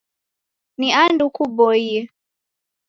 Ni andu kuboie.